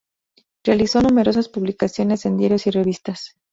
Realizó numerosas publicaciones en diarios y revistas.